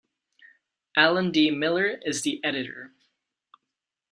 Alan D. Miller is the editor.